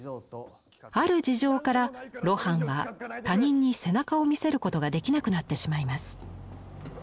ある事情から露伴は他人に背中を見せることができなくなってしまいます。